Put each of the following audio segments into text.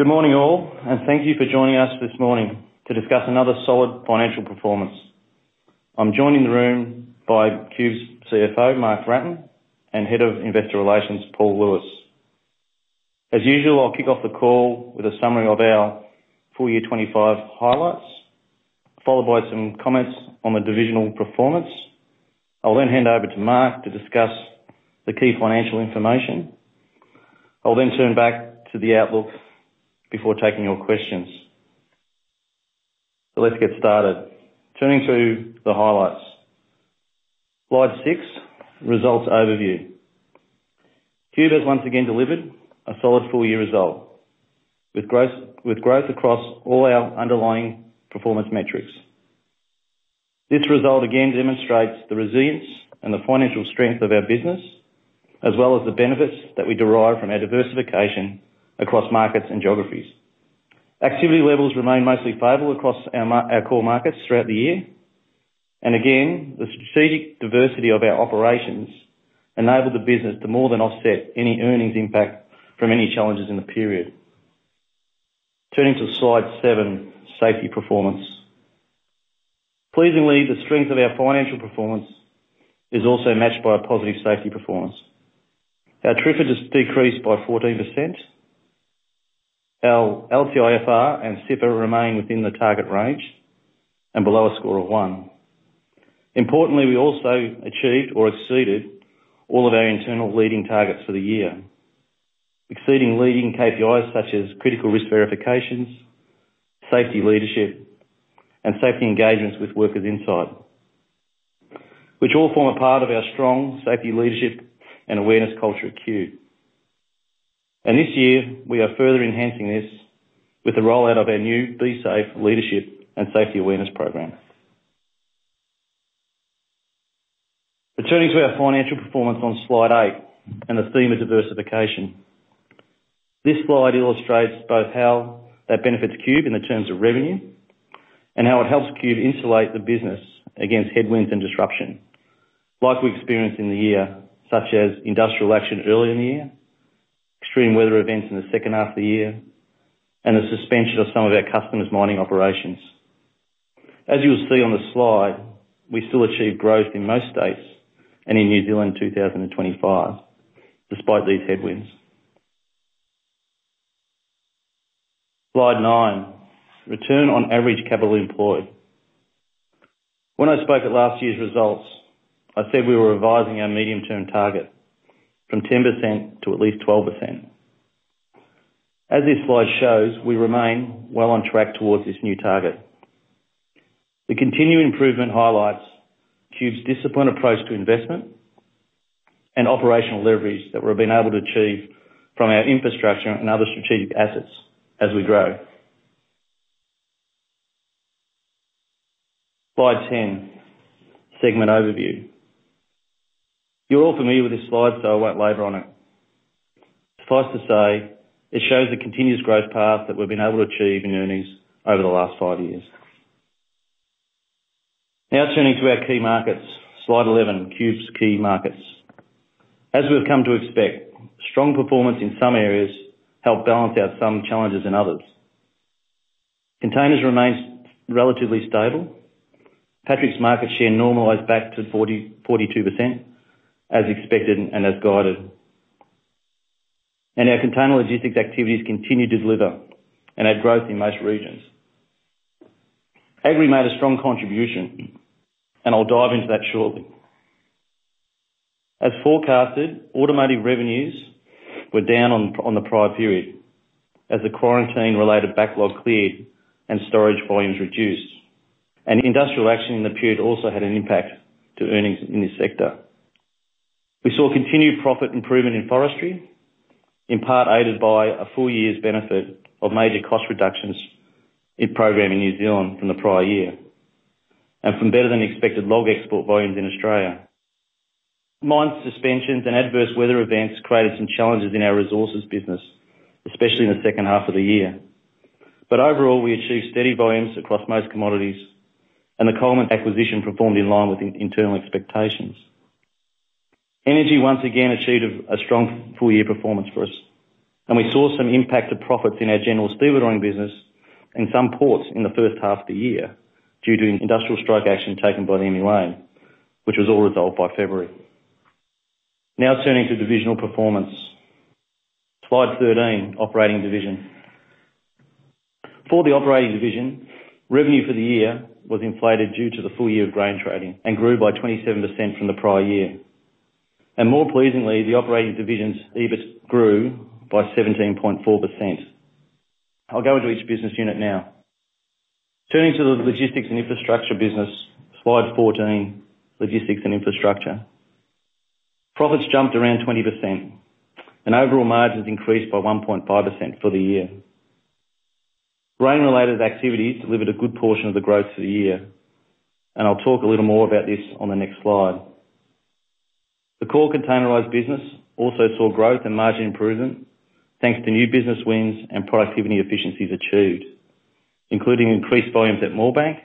Good morning all and thank you for joining us this morning to discuss another solid financial performance. I'm joined in the room by Qube's CFO Mark Wratten and Head of Investor Relations Paul Lewis. As usual, I'll kick off the call with a summary of our full year 2025 highlights followed by some comments on the divisional performance. I'll then hand over to Mark to discuss the key financial information. I'll then turn back to the outlook before taking your questions. Let's get started. Turning to the highlights slide 6 results overview, Qube has once again delivered a solid full year result with growth across all our underlying performance metrics. This result again demonstrates the resilience and the financial strength of our business as well as the benefits that we derive from our diversification across markets and geographies. Activity levels remain mostly favorable across our core markets throughout the year and again the strategic diversity of our operations enable the business to more than offset any earnings impact from any challenges in the period. Turning to slide 7 safety performance, pleasingly, the strength of our financial performance is also matched by a positive safety performance. Our TRIFR has decreased by 14%, our LTIFR and SIPR remain within the target range and below a score of 1. Importantly, we also achieved or exceeded all of our internal leading targets for the year, exceeding leading KPIs such as critical Risk Verifications, Safety Leadership, and Safety Engagements with workers insight which all form a part of our strong safety leadership and awareness culture at Qube. This year we are further enhancing this with the rollout of our new BE Safe Leadership and Safety Awareness program. Returning to our financial performance on slide 8 and the theme of diversification, this slide illustrates both how that benefits Qube in the terms of revenue and how it helps Qube insulate the business against headwinds and disruption like we experienced in the year such as industrial action early in the year, extreme weather events in the second half of the year, and the suspension of some of our customers' mining operations. As you will see on the slide, we still achieve growth in most states and in New Zealand 2025 despite these headwinds. Slide 9 return on average capital employed, when I spoke at last year's results, I said we were revising our medium term target from 10% to at least 12%. As this slide shows, we remain well on track towards this new target. The continuing improvement highlights Qube's disciplined approach to investment and operational leverage that we've been able to achieve from our infrastructure and other strategic assets as we grow. Slide 10 Segment overview. You're all familiar with this slide, so I won't labor on it. Suffice to say it shows the continuous growth path that we've been able to achieve in earnings over the last five years. Now turning to our key markets, slide 11, Qube's key markets, as we've come to expect, strong performance in some areas helped balance out some challenges in others. Containers remains relatively stable, Patrick's market share normalized back to 42% as expected. As guided. Our container logistics activities continue to deliver and add growth in most regions. Agri made a strong contribution and I'll dive into that shortly. As forecasted, automotive revenues were down on the prior period as the quarantine-related backlog cleared and storage volumes reduced, and industrial action in the period also had an impact to earnings in this sector. We saw continued profit improvement in forestry, in part aided by a full year's benefit of major cost reductions in program in New Zealand from the prior year and from better than expected log export volumes in Australia. Mine suspensions and adverse weather events created some challenges in our resources business, especially in the second half of the year, but overall we achieved steady volumes across most commodities and the Colemans acquisition performed in line with internal expectations. Energy once again achieved a strong full year performance for us and we saw some impact of profits in our general stevedoring business and some ports in the first half of the year due to industrial strike action taken by the MUA, which was all resolved by February. Now turning to divisional performance Slide 13. Operating divisions for the operating division, revenue for the year was inflated due to the full year of grain trading and grew by 27% from the prior year, and more pleasingly, the operating division's EBIT grew by 17.4%. I'll go into each business unit. Now turning to the logistics and infrastructure business. Slide 14. Logistics and infrastructure profits jumped around 20% and overall margins increased by 1.5% for the year. Grain-related activity delivered a good portion of the growth to the year and I'll talk a little more about this on the next slide. The core containerized business also saw growth and margin improvement thanks to new business wins and productivity efficiencies achieved, including increased volumes at Moorebank,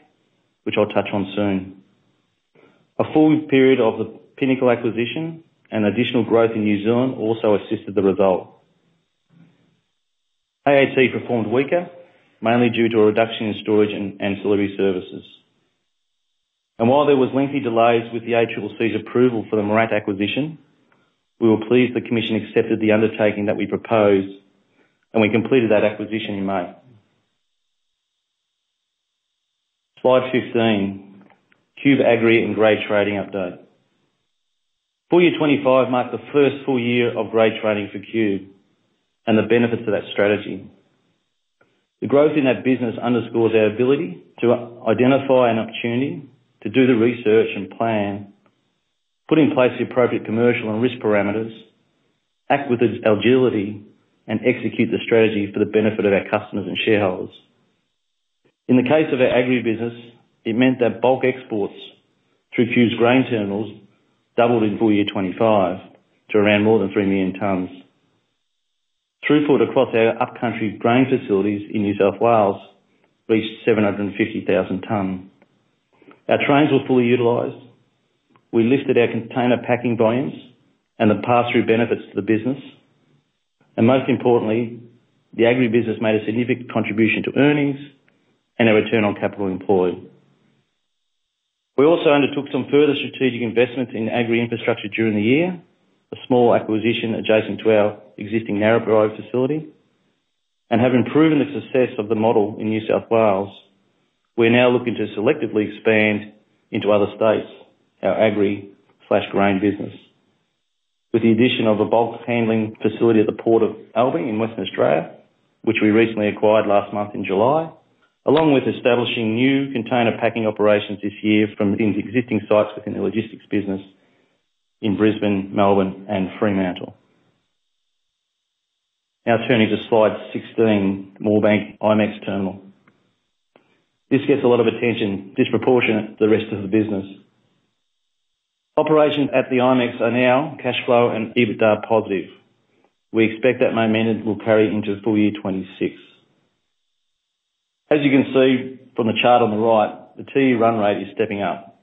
which I'll touch on soon. A full period of the Pinnacle acquisition and additional growth in New Zealand also assisted the result. AAT performed weaker, mainly due to a reduction in storage and ancillary services, and while there were lengthy delays with the ACCC's approval for the MIRRAT acquisition, we were pleased. The commission accepted the undertaking that we proposed and we completed that acquisition in May. Slide 15. Qube Agri and grain trading update. Full year 2025 marked the first full year of grain trading for Qube and the benefits of that strategy. The growth in that business underscores our ability to identify an opportunity to do the research and plan, put in place the appropriate commercial and risk parameters, act with its eligibility and execute the strategy for the benefit of our customers and shareholders. In the case of our Agri business it meant that bulk exports through fused grain terminals doubled in full year 2025 to around more than 3 million tons. Throughput across our upcountry grain facilities in New South Wales reached 750,000 tons, our trains were fully utilised, we lifted our container packing volumes, and the pass through benefits to the business and most importantly the Agri business made a significant contribution to earnings and a return on capital employed. We also undertook some further strategic investments in Agri-infrastructure during the year. A small acquisition adjacent to our existing Narrabri facility and having proven the success of the model in New South Wales, we're now looking to selectively expand into other states. Our Agri flash grain business with the addition of a bulk handling facility at the Port of Albany in Western Australia, which we recently acquired last month in July along with establishing new container packing operations this year from existing sites within the logistics business in Brisbane, Melbourne, and Fremantle. Now turning to Slide 16, Moorebank IMEX Terminal, this gets a lot of attention disproportionate to the rest of the business. Operations at the IMEX Terminal are now cash flow and EBITDA positive. We expect that momentum will carry into the full year 2026. As you can see from the chart on the right, the TEU run rate is stepping up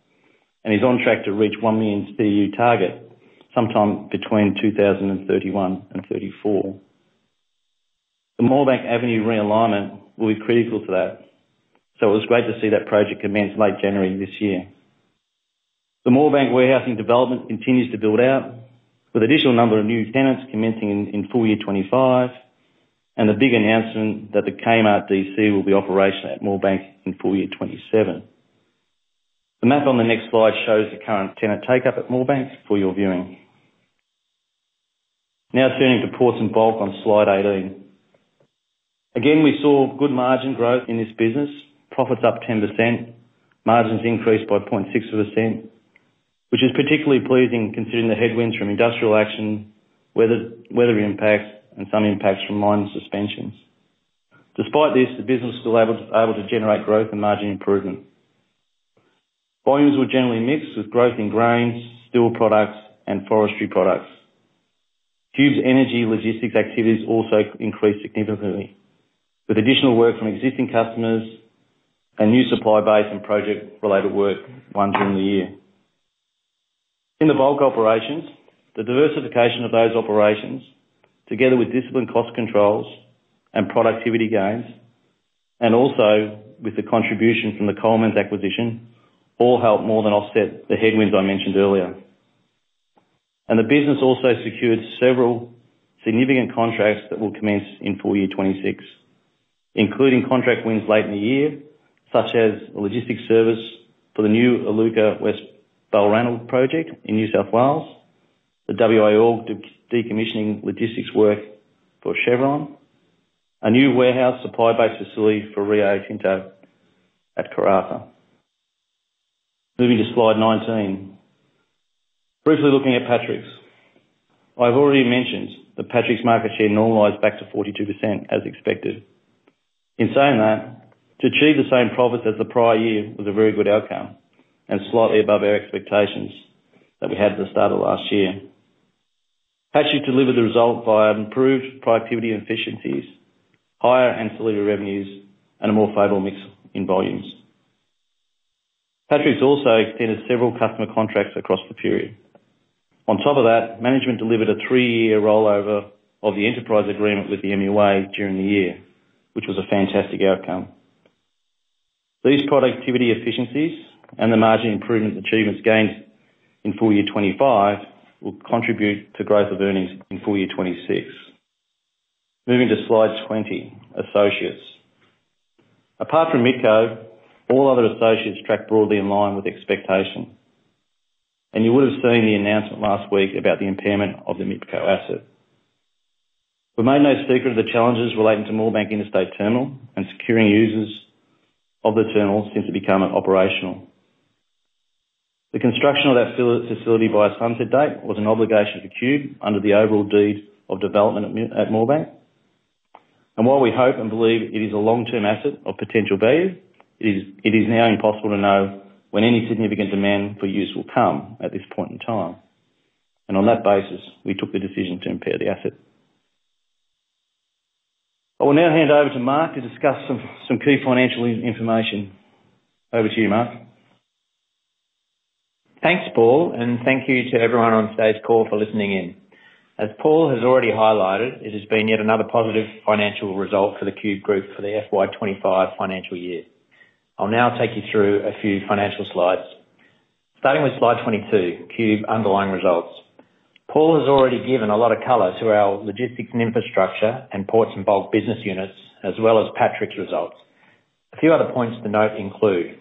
and is on track to reach 1 million TEU target sometime between 2031 and 2034. The Moorebank Avenue realignment will be critical. It was great to. See that project commence late January this year. The Moorebank warehousing development continues to build out with additional number of new tenants commencing in full year 2025 and the big announcement that the Kmart DC will be operational at Moorebank in full year 2027. The map on the next slide shows the current tenant take up at Moorebank for your viewing. Now turning to ports and bulk on slide 18, again we saw good margin growth in this business. Profits up 10%. Margins increased by 0.6%, which is particularly pleasing considering the headwinds from industrial action, weather impacts, and some impacts from mine suspensions. Despite this, the business still able to generate growth and margin improvement. Volumes were generally mixed with growth in grains, steel products, and forestry products. Qube's energy logistics activities also increased significantly with additional work from existing customers and new supply base and project related work won during the year in the bulk operations. The diversification of those operations together with disciplined cost controls and productivity gains and also with the contribution from the Colemans acquisition all helped more than offset the headwinds I mentioned earlier, and the business also secured several significant contracts that will commence in full year 2026, including contract wins late in the year such as logistics service for the new Iluka West Balranald project in New South Wales, the WA Oil decommissioning logistics work for Chevron, a new warehouse supply base facility for Rio Tinto at Karratha. Moving to slide 19, briefly looking at Patrick, I've already mentioned that Patrick's market share normalized back to 42% as expected. In saying that, to achieve the same profits as the prior year was a very good outcome and slightly above our expectations that we had at the start of last year. Patrick delivered the result via improved productivity efficiencies, higher ancillary revenues, and a more favorable mix in volumes. Patrick also extended several customer contracts across the period. On top of that, management delivered a three year rollover of the enterprise agreement with the MUA during the year, which was a fantastic outcome. These productivity efficiencies and the margin improvement achievements gained in full year 2025 will contribute to growth of earnings in full year 2026. Moving to slide 20 associates. Apart from MITCo, all other associates track broadly in line with expectation, and you would have seen the announcement last week about the impairment of the MITCo asset. We made no secret of the challenges relating to Moorebank Interstate Terminal and securing users of the terminals since it became operational. The construction of that facility by its sunset date was an obligation for Qube under the overall deed of development at Moorebank, and while we hope and believe it is a long-term asset of potential value, it is now impossible to know when any significant demand for use will come at this point in time, and on that basis we took the decision to impair the asset. I will now hand over to Mark to discuss some key financial information. Over to you, Mark. Thanks Paul and thank you to everyone on today's call for listening in. As Paul has already highlighted, it has been yet another positive financial result for the Qube group for the FY 2025 financial year. I'll now take you through a few financial slides starting with slide 22. Qube underlying results Paul has already given a lot of color to our logistics and infrastructure and ports and bulk business units as well as Patrick's results. A few other points to note include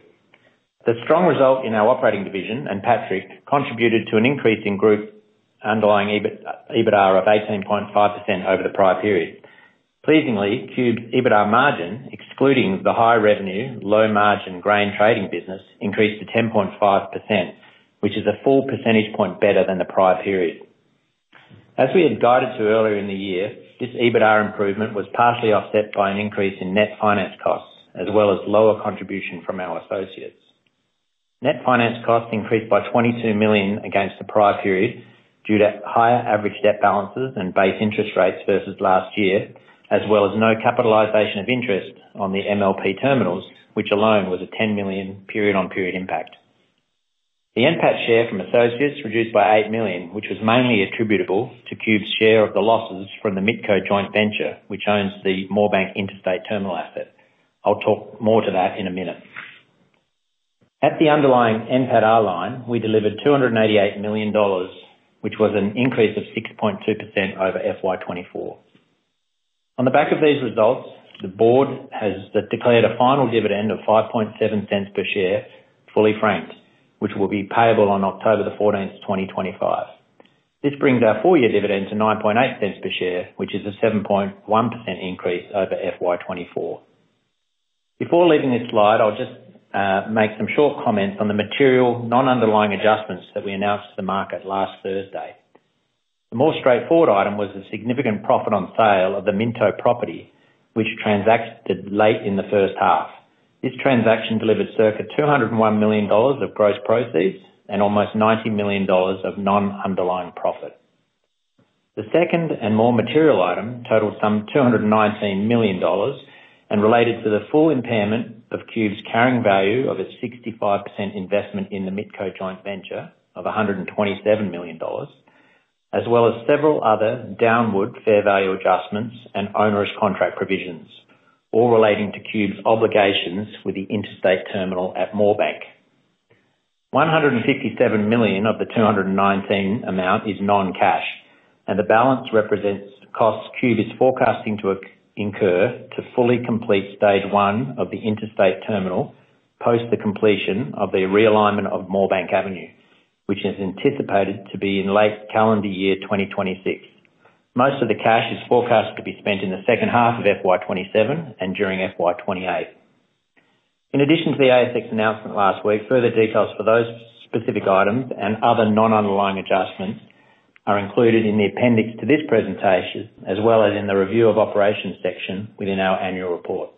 the strong result in our operating division and Patrick contributed to an increase in group underlying EBITDA of 18.5% over the prior period. Pleasingly, Qube's EBITDA margin excluding the high revenue low margin grain trading business increased to 10.5% which is a full percentage point better than the prior period. As we had guided to earlier in the year, this EBITDA improvement was partially offset by an increase in net finance costs as well as lower contribution from our associates. Net finance costs increased by AUD 22 million against the prior period due to higher average debt balances and base interest rates versus last year as well as no capitalization of interest on the MLP terminals which alone was a 10 million period on period impact. The NPAT share from associates reduced by 8 million which was mainly attributable to Qube's share of the losses from the MITCo joint venture which owns the Moorebank Interstate Terminal asset. I'll talk more to that in a minute. At the underlying NPATA line we delivered 288 million dollars which was an increase of 6.2% over FY 2024. On the back of these results the Board has declared a final dividend of 5.7 per share fully franked which will be payable on October 14th, 2025. This brings our full year dividend to 9.8 per share which is a 7.1% increase over FY 2024. Before leaving this slide, I'll just make some short comments on the material non underlying adjustments that we announced to the market last Thursday. The more straightforward item was the significant profit on sale of the Minto property which transacted late in the first half. This transaction delivered circa 201 million dollars of gross proceeds and almost 90 million dollars of non underlying profit. The second and more material item totaled some 219 million dollars and related to the full impairment of Qube's carrying value of a 65% investment in the MITCo joint venture of 127 million dollars as well as several other downward fair value adjustments and onerous contract provisions all relating to Qube's obligations with the interstate terminal at Moorebank. 157 million of the 219 million amount is non-cash and the balance represents costs Qube is forecasting to incur to fully complete Stage 1 of the Interstate Terminal post the completion of the realignment of Moorebank Avenue which is anticipated to be in late calendar year 2026. Most of the cash is forecast to be spent in the second half of FY 2027 and during FY 2028 in addition to the ASX announcement last week. Further details for those specific items and other non-underlying adjustments are included in the appendix to this presentation as well as in the Review of Operations section within our annual report.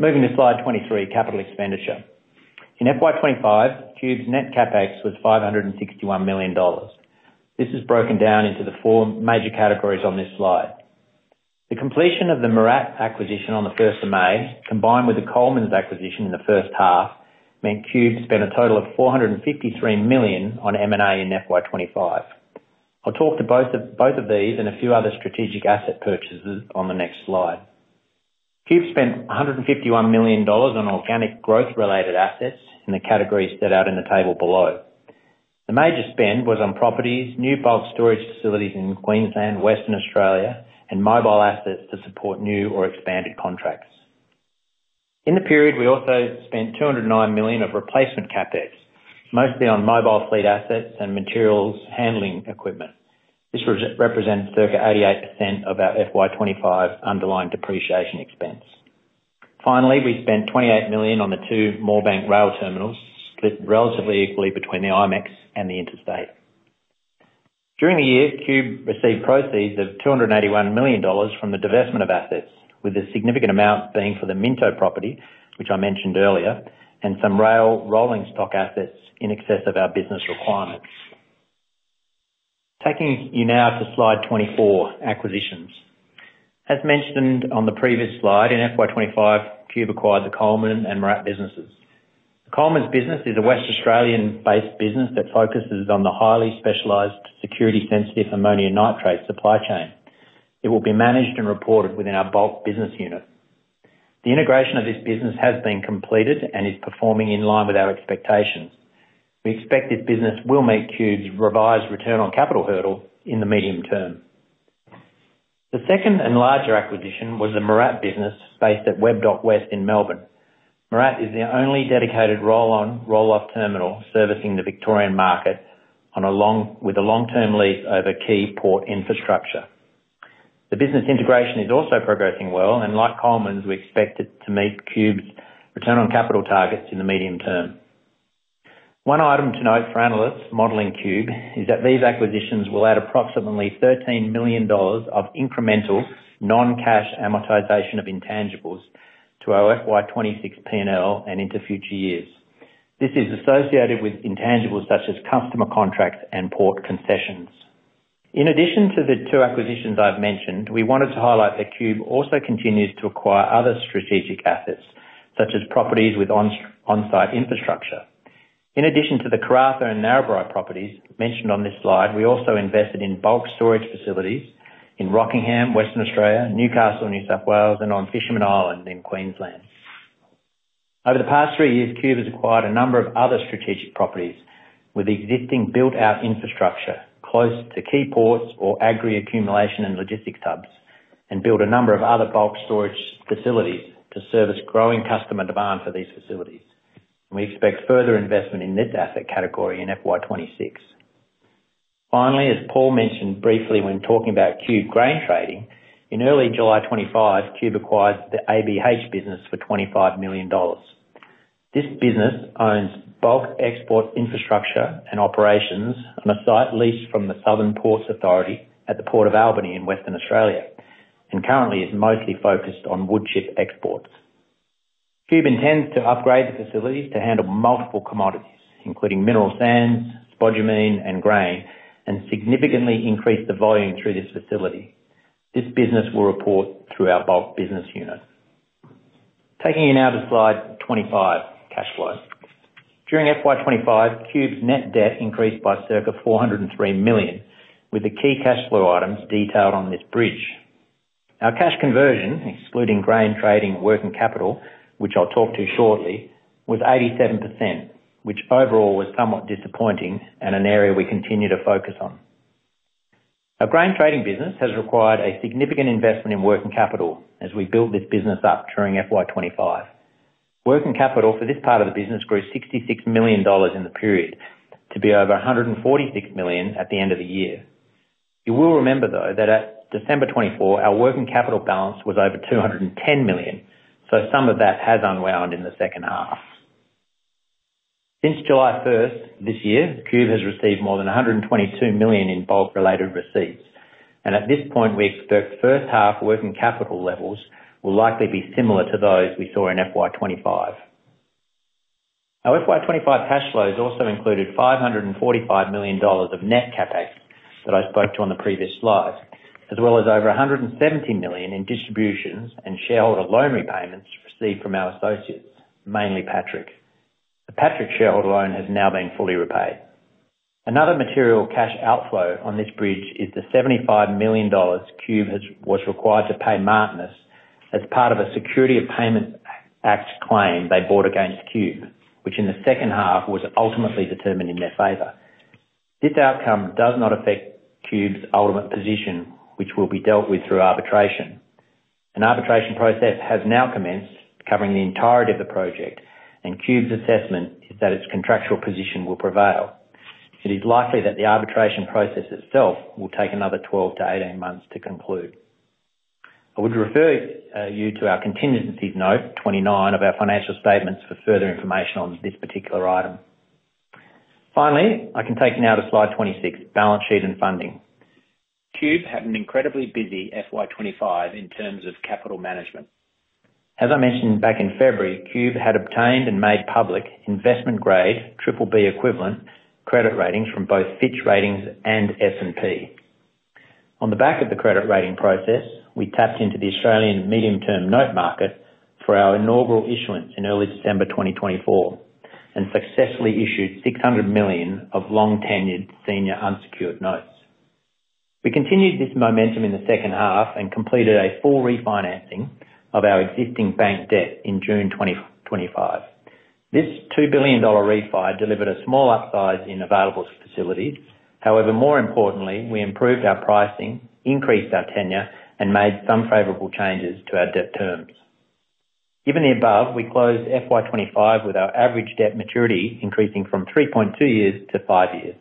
Moving to slide 23, capital expenditure in FY 2025, Qube's net CapEx was 561 million dollars. This is broken down into the four major categories on this slide. The completion of the MIRRAT acquisition on the 1st of May combined with the Colemans acquisition in the first half meant Qube spent a total of 453 million on M&A in FY 2025. I'll talk to both of these and a few other strategic asset purchases on the next slide. Qube spent 151 million dollars on organic growth related assets in the categories set out in the table below. The major spend was on properties, new bulk storage facilities in Queensland, Western Australia, and mobile assets to support new or expanded contracts in the period. We also spent 209 million of replacement CapEx, mostly on mobile fleet assets and materials handling equipment. This represents circa 88% of our FY 2025 underlying depreciation expense. Finally, we spent 28 million on the two Moorebank rail terminals, placed relatively equally between the IMEX and the Interstate. During the year, Qube received proceeds of 281 million dollars from the divestment of assets, with a significant amount being for the Minto property which I mentioned earlier and some rail rolling stock assets in excess of our business requirements. Taking you now to slide 24, acquisitions. As mentioned on the previous slide, in FY 2025 Qube acquired the Colemans and MIRRAT businesses. Colemans business is a West Australian based business that focuses on the highly specialised security sensitive ammonia nitrate supply chain. It will be managed and reported within our bulk business unit. The integration of this business has been completed and is performing in line with our expectations. We expect this business will meet Qube's revised return on capital hurdle in the medium term. The second and larger acquisition was the MIRRAT business based at Webb Dock West in Melbourne. MIRRAT is the only dedicated roll on roll off terminal servicing the Victorian market with a long term lease over key port infrastructure. The business integration is also progressing well and like Colemans we expect to meet Qube's return on capital targets in the medium term. One item to note for analysts modeling Qube is that these acquisitions will add approximately 13 million dollars of incremental non-cash amortization of intangibles to FY 2026 P&L and into future years. This is associated with intangibles such as customer contracts and port concessions. In addition to the two acquisitions I've mentioned, we wanted to highlight that Qube also continues to acquire other strategic assets such as properties with on-site infrastructure. In addition to the Karratha and Narrabri properties mentioned on this slide, we also invested in bulk storage facilities in Rockingham, Western Australia, Newcastle, New South Wales, and on Fisherman Island in Queensland. Over the past three years, Qube has acquired a number of other strategic properties with existing built-out infrastructure close to key ports or Agri accumulation and logistics hubs and built a number of other bulk storage facilities to service growing customer demand for these facilities. We expect further investment in that asset category in FY 2026. Finally, as Paul mentioned briefly when talking about Qube grain trading, in early July 2025, Qube acquired the ABH business for 25 million dollars. This business owns bulk export infrastructure and operations on a site leased from the Southern Ports Authority at the Port of Albany in Western Australia and currently is mostly focused on wood chip exports. Qube intends to upgrade the facilities to handle multiple commodities including mineral sands, spodumene, and grain and significantly increase the volume through this facility. This business will report through our bulk business unit. Taking you now to slide 25, cash flows during FY 2025, Qube's net debt increased by circa 403 million, with the key cash flow items detailed on this bridge. Our cash conversion excluding grain trading working capital, which I'll talk to shortly, was 87%, which overall was somewhat disappointing and an area we continue to focus on. Our grain trading business has required a significant investment in working capital as we build this business up during FY 2025. Working capital for this part of the business grew 66 million dollars in the period to be over 146 million at the end of the year. You will remember though that at December 24 our working capital balance was over 210 million, so some of that has unwound in the second half. Since July 1st this year, Qube has received more than 122 million in bulk related receipts and at this point we expect first half working capital levels will likely be similar to those we saw in FY 2025. Our FY 2025 cash flows also included 545 million dollars of net CapEx that I spoke to on the previous slide, as well as over 170 million in distributions and shareholder loan repayments received from our associates, mainly Patrick. The Patrick shareholder loan has now been fully repaid. Another material cash outflow on this bridge is the AUD 75 million Qube was required to pay Martinus as part of a Security of Payment Act claim they brought against Qube, which in the second half was ultimately determined in their favor. This outcome does not affect Qube's ultimate position, which will be dealt with through arbitration. An arbitration process has now commenced covering the entirety of the project and Qube's assessment is that its contractual position will prevail. It is likely that the arbitration process itself will take another 12-18 months to conclude. I would refer you to our contingencies note 29 of our financial statements for further information on this particular item. Finally, I can take you now to slide 26 balance sheet and funding. Qube had an incredibly busy FY 2025 in terms of capital management. As I mentioned back in February, Qube had obtained and made public investment grade BBB equivalent credit ratings from both Fitch Ratings and S&P. On the back of the credit rating process, we tapped into the Australian medium-term note market for our inaugural issuance in early December 2024 and successfully issued 600 million of long tenured senior unsecured notes. We continued this momentum in the second half and completed a full refinancing of our existing bank debt in June 2025. This 2 billion dollar refi delivered a small upsize in available facilities. However, more importantly we improved our pricing, increased our tenure, and made some favorable changes to our debt terms. Given the above, we closed FY 2025 with our average debt maturity increasing from 3.2 years to 5 years.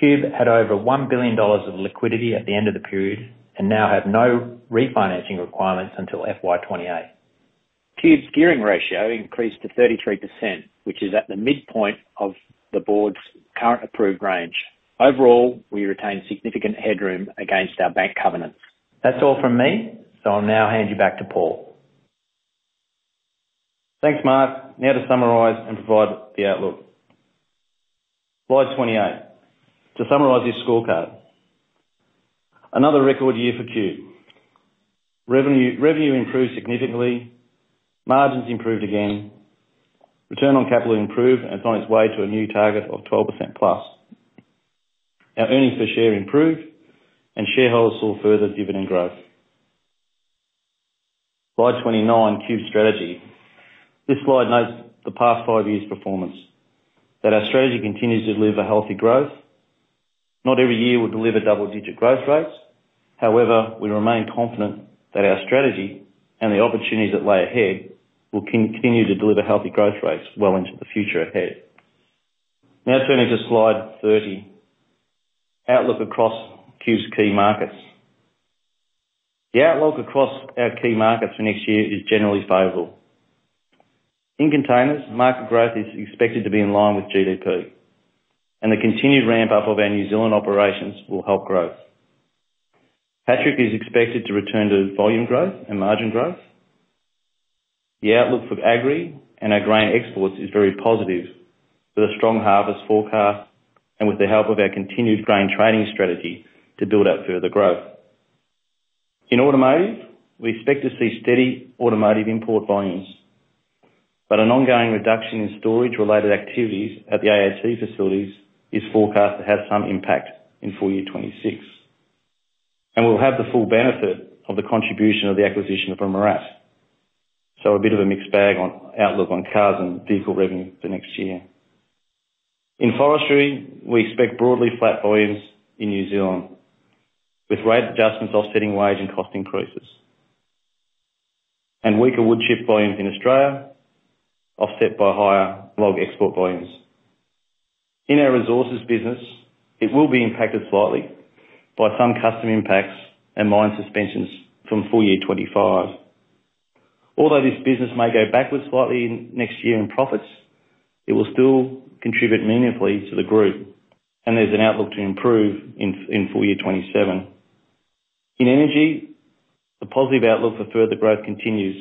Qube had over 1 billion dollars of liquidity at the end of the period and now have no refinancing requirements until FY 2028. Qube's gearing ratio increased to 33%, which is at the midpoint of the Board's current approved range. Overall, we retain significant headroom against our bank covenant. That's all from me, so I'll now hand you back to Paul. Thanks Mark. Now to summarise and provide the outlook. Slide 28, to summarise this scorecard, another record year for Qube. Revenue improved significantly, margins improved again, return on capital improved and found its way to a new target of 12%+. Our earnings per share improved and shareholders saw further dividend growth. Slide 29, Qube strategy, this slide notes the past five years' performance that our strategy continues to deliver healthy growth. Not every year will deliver double-digit growth rates. However, we remain confident that our strategy and the opportunities that lay ahead will continue to deliver healthy growth rates well into the future ahead. Now turning to Slide 30, outlook across Qube's key markets, the outlook across our key markets for next year is generally favorable. In containers, market growth is expected to be in line with GDP and the continued ramp up of our New Zealand operations will help growth. Patrick is expected to return to volume growth and margin growth. The outlook for Agri and our grain exports is very positive with a strong harvest forecast and with the help of our continued grain trading strategy to build out further growth. In automotive, we expect to see steady automotive import volumes, but an ongoing reduction in storage-related activities at the AAT facilities is forecast to have some impact in full year 2026 and we'll have the full benefit of the contribution of the acquisition from MIRRAT. So a bit of a mixed bag on outlook on cars and vehicle revenue for next year. In forestry, we expect broadly flat volumes in New Zealand with rate adjustments offsetting wage and cost increases and weaker wood chip volumes in Australia offset by higher log export volumes. In our resources business, it will be impacted slightly by some custom impacts and mine suspensions from full year 2025. Although this business may go backwards slightly next year in profits, it will still contribute meaningfully to the group and there's an outlook to improve in full year 2027. In energy, the positive outlook for further growth continues,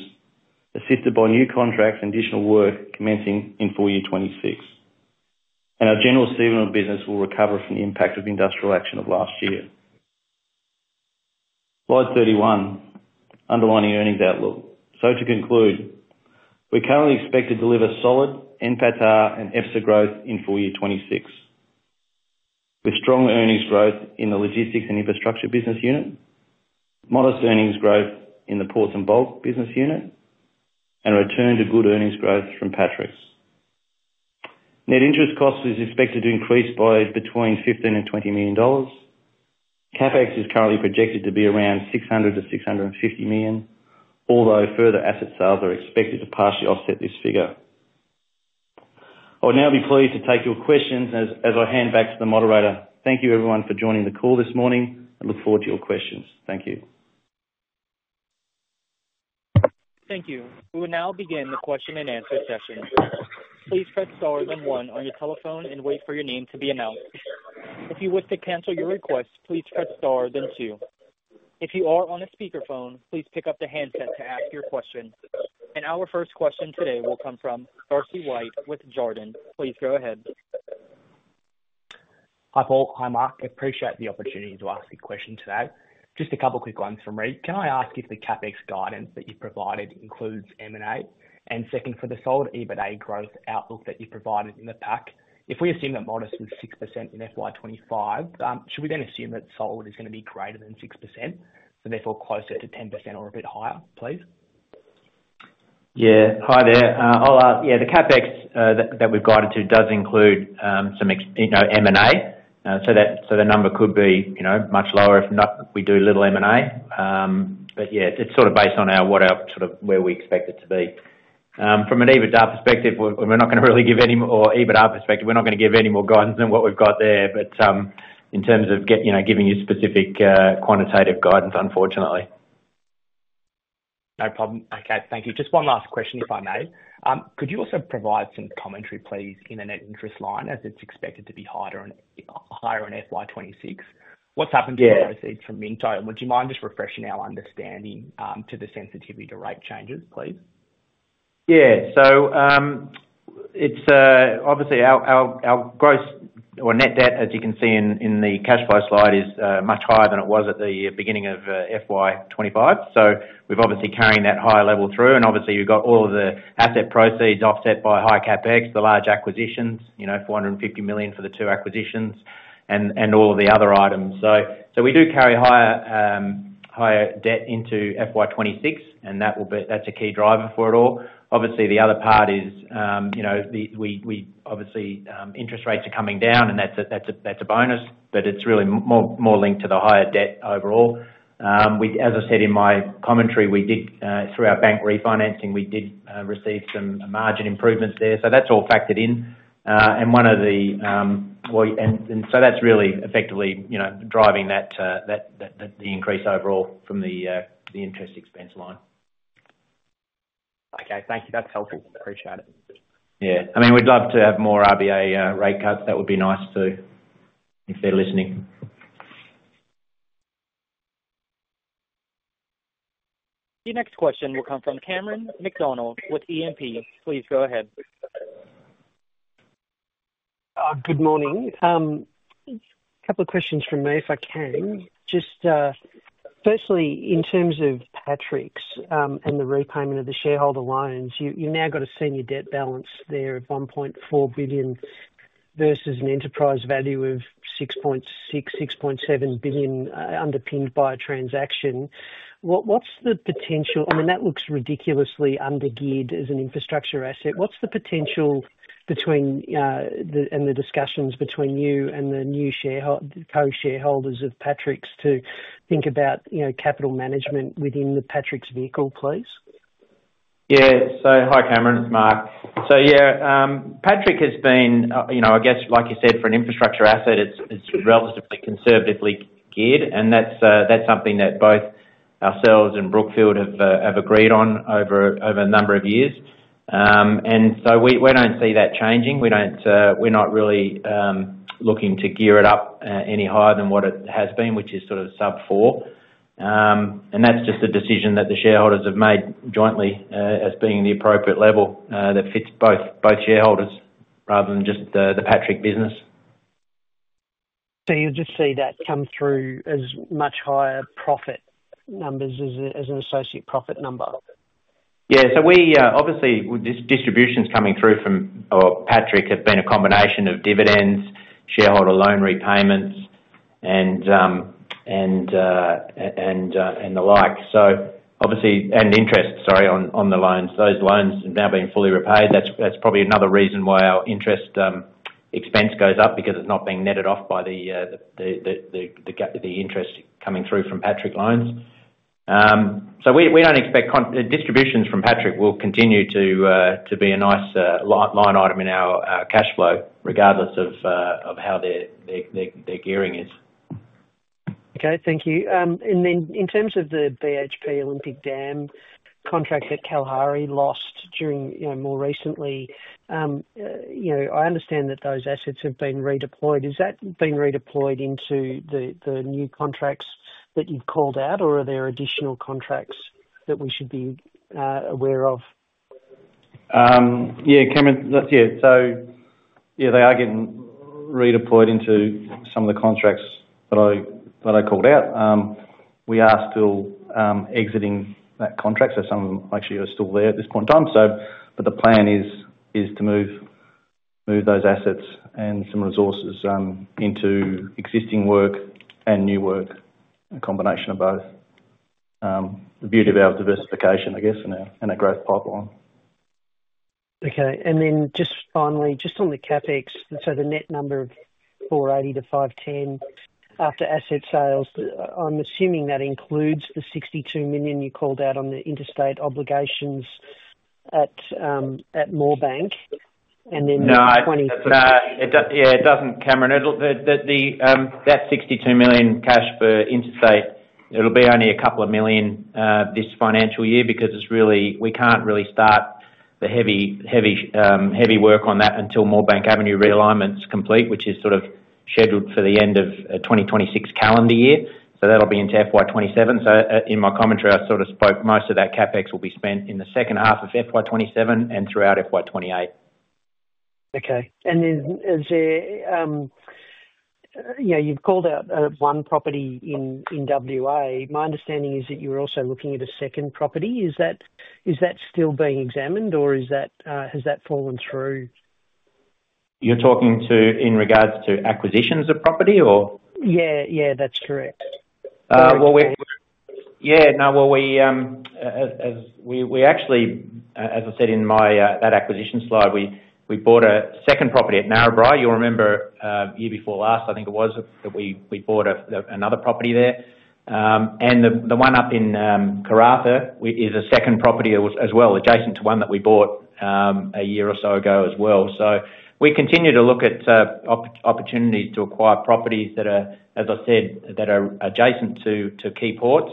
assisted by new contracts and additional work commencing in full year 2026 and our general stevedoring business will recover from the impact of industrial action of last year. Slide 31, underlining earnings outlook, so to conclude, we currently expect to deliver solid NPATA and EPS growth in full year 2026 with strong earnings growth in the logistics and infrastructure business unit, modest earnings growth in the ports and bulk business unit, and return to good earnings growth from Patrick. Net interest cost is expected to increase by between 15 million-20 million dollars. CapEx is currently projected to be around 600 million-650 million, although further asset sales are expected to partially offset this figure. I would now be pleased to take your questions as I hand back to the moderator. Thank you everyone for joining the call this morning and look forward to your questions. Thank you. Thank you. We will now begin the question and answer session. Please press star then one on your telephone and wait for your name to be announced. If you wish to cancel your request, please press star then two. If you are on a speakerphone, please pick up the handset to ask your question. Our first question today will come from Darcy White with Jarden. Please go ahead. Hi Paul, hi Mark. Appreciate the opportunity to ask a question today. Just a couple quick ones from me. Can I ask if the CapEx guidance that you've provided includes M&A, and second, for the solid EBITDA growth outlook that you provided in the pack, if we assume that modest is 6% in FY 2025, should we then assume that solid is going to be greater than 6% and therefore closer to 10% or. A bit higher, please? Yeah, hi there. Yeah, the CapEx that we've guided to does include some M&A. The number could be, you know, much lower if not. We do little M&A. Yeah, it's sort of based on our what our sort of where we expect it to be from an EBITDA perspective. We're not going to really give any more EBITDA perspective. We're not going to give any more guidance than what we've got there. In terms of giving you specific. Quantitative guidance, unfortunately. No problem. Okay, thank you. Just one last question, if I may. Could you also provide some commentary, please? In the net interest line, as it's expected to be higher on FY 2026, what's happened to proceeds from Minto? Would you mind just refreshing our understanding to the sensitivity to rate changes, please? Yeah, so it's obviously our gross or net debt, as you can see in the cash flow slide, is much higher than it was at the beginning of FY 2025. We've obviously been carrying that higher level through, and you've got all the asset proceeds offset by high CapEx, the large acquisitions, 450 million for the two acquisitions, and all of the other items. We do carry higher debt into FY 2026, and that's a key driver for it all, obviously. The other part is, you know, interest rates are coming down, and that's a bonus. It's really more linked to the higher debt overall. As I said in my commentary, through our bank debt refinancing, we did receive some margin improvements there. That's all factored in, and that's really effectively driving the increase overall from the interest expense line. Okay, thank you, that's helpful. Appreciate it. Yeah, I mean, we'd love to have more RBA rate cuts. That would be nice too if they're listening. The next question will come from Cameron McDonald with E&P. Please go ahead. Good morning. A couple of questions from me if I can. Firstly, in terms of Patrick and the repayment of the shareholder loans, you've now got a senior debt balance there of 1.4 billion versus an enterprise value of 6.6 billion, 6.7 billion underpinned by a transaction. What's the potential? I mean, that looks ridiculously under-geared as an infrastructure asset. What's the potential and the discussions between you and the new co-shareholders of Patrick to think about capital management of Patrick's vehicle, please. Hi Cameron, it's Mark. Patrick has been, you know, I guess like you said for an infrastructure asset it's relatively conservatively geared, and that's something that both ourselves and Brookfield have agreed on over a number of years, and we don't see that changing. We're not really looking to gear it up any higher than what it has been, which is sort of sub 4, and that's just the decision that the shareholders have made jointly as being the appropriate level that fits both shareholders rather than just the Patrick business. You'll just see that come through as much higher profit numbers as an associate profit number. Yeah, we obviously, these distributions coming through from Patrick have been a combination of dividends, cash shareholder loan repayments, and the like. So obviously. Interest, sorry, on the loans. Those loans have now been fully repaid. That's probably another reason why our interest expense goes up, because it's not being netted off by the interest coming through from Patrick loans. We don't expect distributions from Patrick will continue to be a nice line item in our cash flow regardless of how their gearing is. Thank you. In terms of the BHP Olympic Dam contract that Kalari lost more recently, I understand that those assets have been redeployed. Has that been redeployed into the new contracts that you've called out, or are there additional contracts that we should be aware of? Yeah, they are getting redeployed into some of the contracts that I called out. We are still exiting that contract. Some of them actually are still there at this point in time. The plan is to move those assets and some resources into existing work and new work, a combination of both. The beauty of our diversification, I guess, in our growth pipeline. Okay. Finally, just on the CapEx. The net number of 480 million-510 million after asset sales, I'm assuming that includes the 62 million you called out on the interstate obligations at Moorebank, and then. Yeah, it doesn't, Cameron, that 62 million cash for interstate. It'll be only a couple of million this financial year because it's really, we can't really start the heavy work on that until Moorebank Avenue realignment's complete, which is sort of scheduled for the end of 2026 calendar year. That'll be into FY 2027. In my commentary, I sort of spoke most of that CapEx will be spent in the second half of FY 2027 and throughout FY 2028. Okay, is there. Yeah. You've called out one property in WA. My understanding is that you're also looking at a second property. Is that still being examined or has that fallen through? You're talking to. In regards to acquisitions of property or. Yeah, that's correct. Yeah. No, as I said in that acquisition slide, we bought a second property at Narrabri. You'll remember, year before last, I think it was that we bought another property there, and the one up in Karratha is a second property as well, adjacent to one that we bought a year or so ago as well. We continue to look at opportunities to acquire properties that, as I said, are adjacent to key ports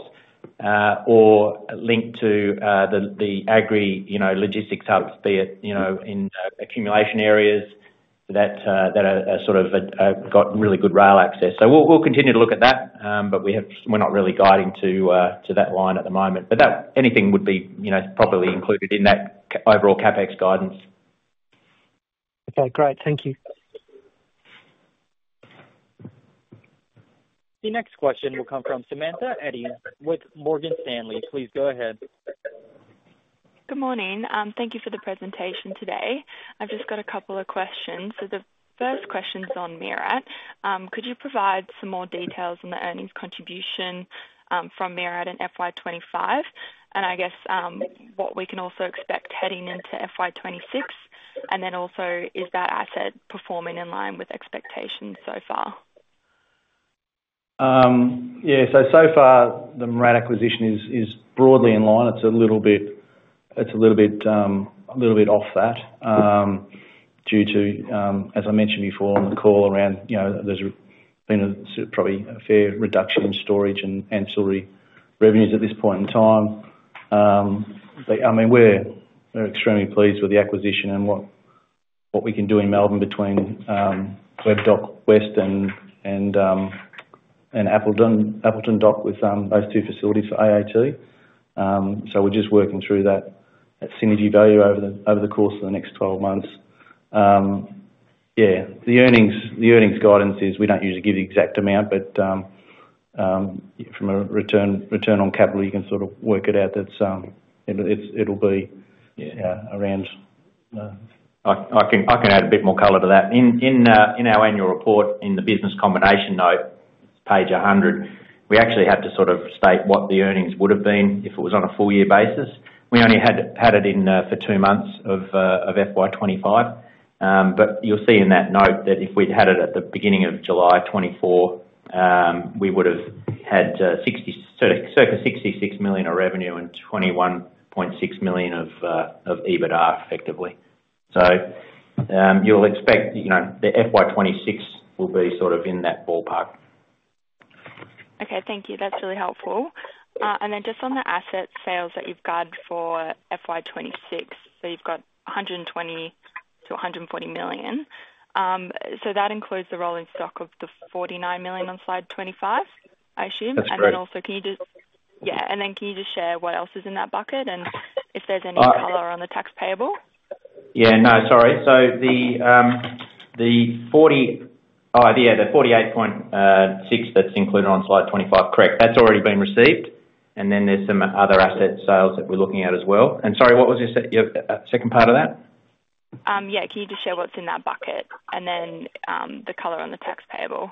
or linked to the Agri-infrastructure hubs, be it in accumulation areas that have got really good rail access. We'll continue to look at that, but we're not really guiding to that line at the moment. Anything would be properly included in that overall CapEx guidance. Okay, great. Thank you. The next question will come from Samantha Edie with Morgan Stanley. Please go ahead. Good morning. Thank you for the presentation today. I've just got a couple of questions. The first question's on MIRRAT. Could you provide some more details on the earnings contribution from MIRRAT in FY 2025 and I guess what we can also expect heading into FY 2026, and then also is that asset performing in line with expectations so far? Yeah. So far the MIRRAT acquisition is broadly in line. It's a little bit off that due to, as I mentioned before on the call, around, you know, there's been probably a fair reduction in storage and ancillary revenues at this point in time. I mean, we're extremely pleased with the acquisition and what we can do in Melbourne between Webb Dock West and Appleton Dock with those two facilities for AAT. We're just working through that synergy value over the course of the next 12 months. The earnings guidance is we don't usually give the exact amount, but from a return on capital you can sort of work it out. That's, and it'll be around. I can add a bit more color to that. In our annual report, in the business accommodation note, page 100, we actually have to state what the earnings would have been if it was on a full year basis. We only had it in for two months of FY 2025, but you'll see in that note that if we'd had it at the beginning of July 2024, we would have had circa 66 million of revenue and 21.6 million of EBITDA, effectively. You'll expect that FY 2026 will be in that ballpark. Okay, thank you, that's really helpful. On the asset sales that you've got for FY 2026, you've got 120 million-140 million. That includes the rolling stock of the 49 million on slide 25, I assume. Can you just share what else is in that bucket and if there's any color on the tax payable. Sorry. The 48.6 million that's included on slide 25, correct, that's already been received. There are some other asset sales that we're looking at as well. Sorry, what was your second part of that? Yeah, can you just share what's in that bucket and then the color on the tax payable?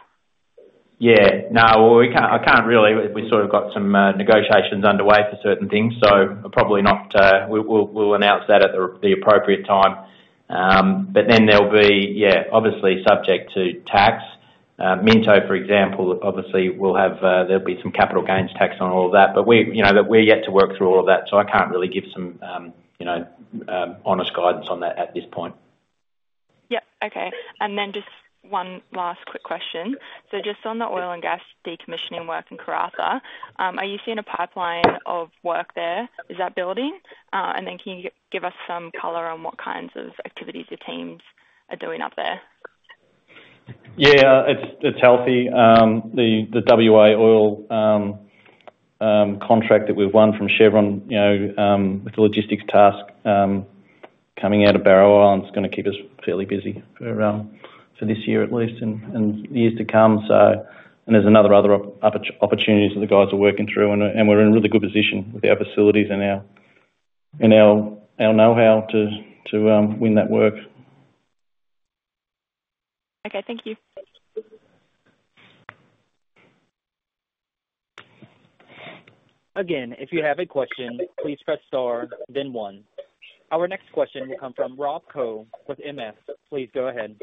I can't really. We sort of got some negotiations underway for certain things, so probably not. We'll announce that at the appropriate time. There'll be, yeah, obviously subject to tax. Minto, for example, obviously will have, there'll be some capital gains tax on all that, but we, you know, that we're yet to work through all of that, so I can't really give some, you know, honest guidance on that at this point. Okay. Just one last quick question. Just on the oil and gas decommissioning work in Karratha, are you seeing a pipeline of work there? Is that building? Can you give us some color on what kinds of activities the teams are doing up there? Yeah, it's healthy. The WA Oil contract that we've won from Chevron, you know, with the logistics task coming out of Barrow, is going to keep us fairly busy for this year at least and years to come. There are other opportunities that the guys are working through, and we're in a really good position with our facilities and our know-how to win that work. Okay, thank you. Again. If you have a question, please press star then one. Our next question will come from Rob Koh with MS. Please go ahead.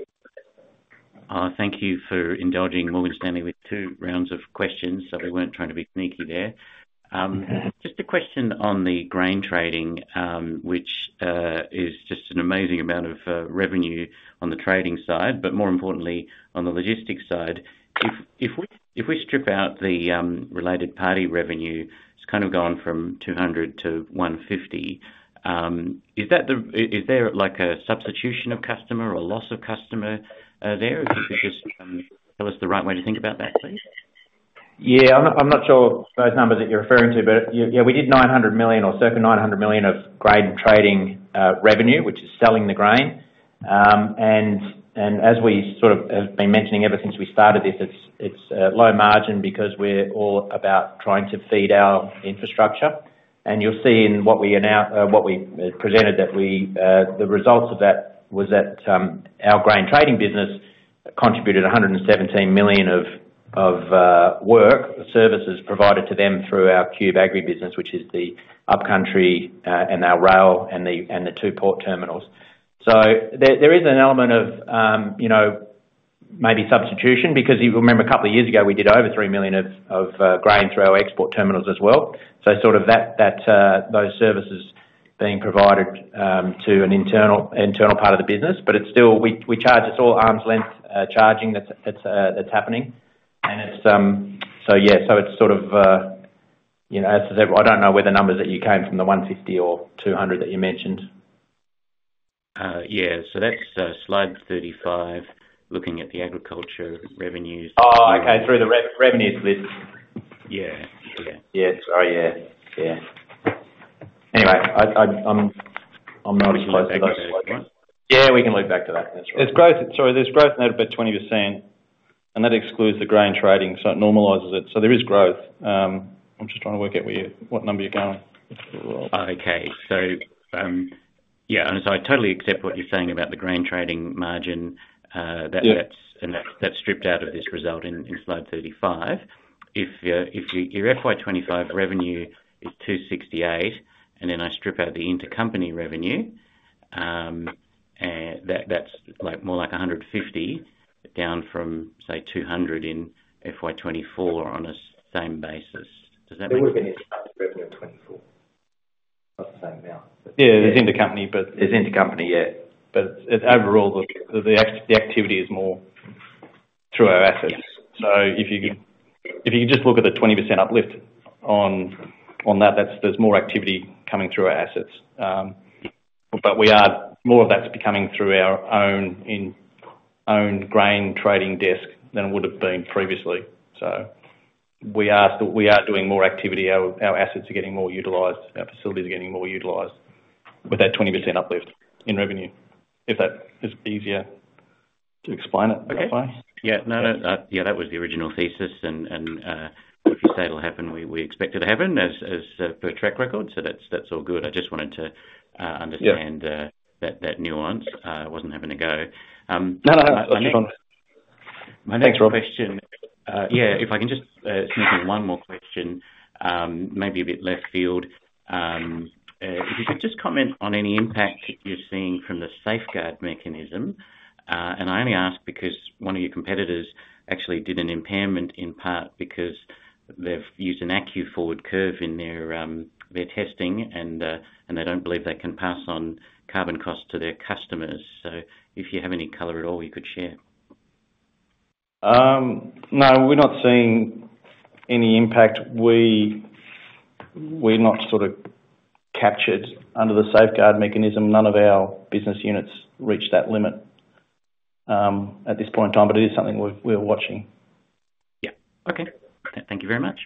Thank you for indulging Morgan Stanley with two rounds of questions. We weren't trying to be sneaky there, just a question on the grain trading, which is just an amazing amount of revenue on the trading side. More importantly on the logistics side, if we strip out the related party revenue, it's kind of gone from 200 million to 150 million. Is there like a substitution of customer or loss of customer there? If you could just tell us the. Right way to think about that, please. Yeah, I'm not sure those numbers that you're referring to, but yeah, we did 900 million or circa 900 million of grain trading revenue, which is selling the grain. As we sort of have been mentioning ever since we started this, it's low margin because we're all about trying to feed our infrastructure. You'll see in what we presented that the results of that was that our grain trading business contributed 117 million of work services provided to them through our Qube Agri business, which is the upcountry and our rail and the two port terminals. There is an element of, you know, maybe substitution because you remember a couple of years ago we did over 3 million of grain through our export terminals as well. Those services are being provided to an internal part of the business. We charge. It's all arm's length charging. That's happening and it's. I don't know where the numbers that you came from, the 150 million or 200 million that you mentioned. Yeah, that's slide 35. Looking at the agriculture revenues. Oh, okay. Through the revenue splits. Yeah, yeah. Oh yeah. Anyway, I'm multicolored if you want. Yeah, we can leap back to that. It's growth. Sorry, there's growth net about 20%. That excludes the grain trading, so it normalizes it. There is growth. I'm just trying to work out what number you're going. Okay, yeah, I totally. accept what you're saying about the grain trading margin. That's stripped out of this result in slide 35. If your FY 2025 revenue is 268 million and then I strip out the intercompany revenue, that's more like 150 million, down from say 200 million in FY 2024 on a same basis. Does that have been revenue? 24? Yeah, there's intercompany, but it's intercompany yet. Overall, the activity is more through our assets. If you just look at the 20% uplift on that, there's more activity coming through our assets, but more of that's coming through our own grain trading desk than would have been previously. We are still doing more activity. Our assets are getting more utilized, our facilities are getting more utilized with that 20% uplift in revenue, if that is easier to explain it. Yeah, that was the original thesis, and if you say it'll happen, we expect it to happen as per track record. That's all good. I just wanted to understand that nuance, wasn't having a go. No, no. My next, Rob. Yeah. If I can just sneak in one more question, maybe a bit left field. If you could just comment on any impact you're seeing from the Safeguard Mechanism. I only ask because one of your competitors actually did an impairment in part because they've used an ACCU forward curve in their testing and they don't believe they can pass on carbon costs to their customers. If you have any color at. All you could share. No, we're not seeing any impact. We're not sort of captured under the Safeguard Mechanism. None of our business units reach that limit at this point in time. It is something we're watching. Yeah. Okay, thank you very much.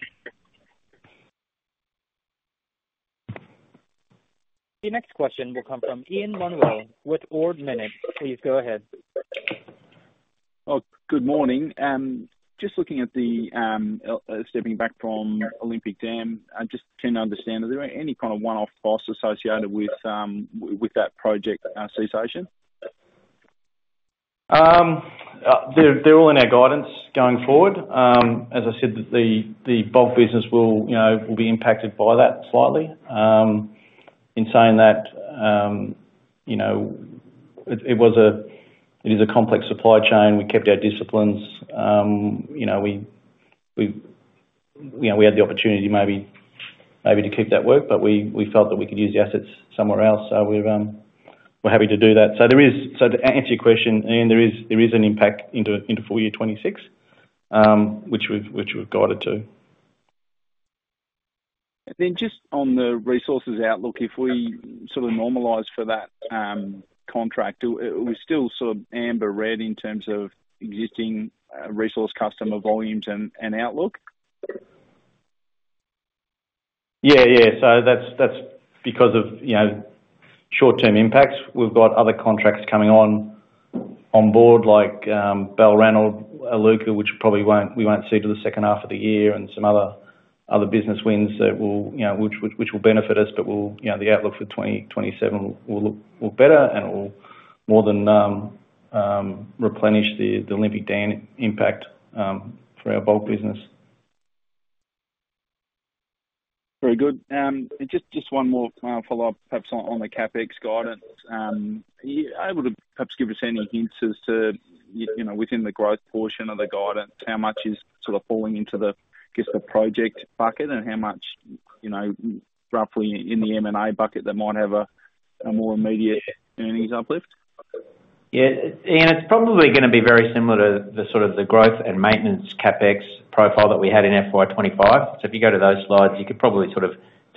The next question will come from Ian Munro with Ord Minnett, please. Go ahead. Oh, good morning. Just looking at the stepping back from Olympic Dam, just trying to understand are there any kind of one-off costs associated with that project cessation? They're all in our guidance going forward. As I said, the bulk business will be impacted by that slightly. In saying that, it is a complex supply chain. We kept our disciplines, we had the opportunity maybe to keep that work but we felt that we could use the assets somewhere else. We're happy to do that. To answer your question, Ian, there is an impact into FY 2026 which we've guided to. Then just on the resources outlook, if we sort of normalize for that contract, we still sort of amber red in terms of existing resource customer volumes and outlook. Yeah, that's because of short-term impacts. We've got other contracts coming on board like Balranald or Iluka, which probably we won't see until the second half of the year, and some other business wins which will benefit us. The outlook for 2027 will look better and it will more than replenish the Olympic Dam impact for our bulk business. Very good. Just one more follow-up perhaps on the CapEx guidance. Are you able to perhaps give us any hints as to, within the growth portion of the guidance, how much is falling into the project bucket and how much, roughly, in the M&A bucket that might have a more immediate earnings uplift? Yeah, Ian, it's probably going to be very similar to the sort of the growth and maintenance CapEx profile that we had in FY 2025. If you go to those slides, you could probably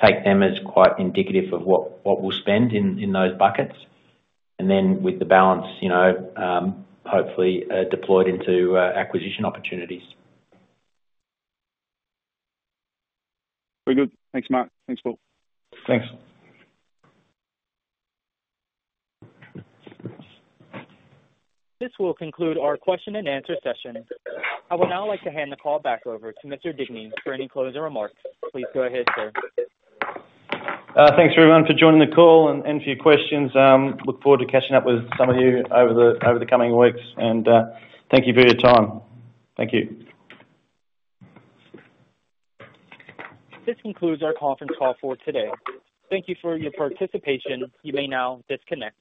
take them as quite indicative of what we'll spend in those buckets, and then with the balance, you know, hopefully deployed into acquisition opportunities. Very good. Thanks, Mark. Thanks, Paul. Thanks. This will conclude our question and answer session. I would now like to hand the call back over to Mr. Digney for any closing remarks. Please go ahead, sir. Thanks everyone for joining the call and for your questions. Look forward to catching up with some of you over the coming weeks, and thank you for your time. Thank you. This concludes our conference call for today. Thank you for your participation. You may now disconnect.